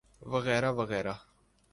وغیرہ وغیرہ۔